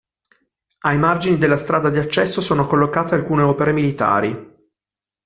Ai margini della strada di accesso sono collocate alcune opere militari.